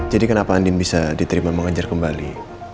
jadi kenapa andin bisa diterima mengejar kembali